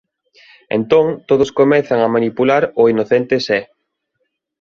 Entón todos comezan a manipular o inocente Zé.